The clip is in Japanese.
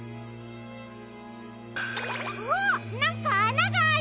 あっなんかあながある！